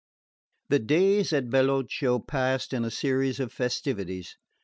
The days at Bellocchio passed in a series of festivities.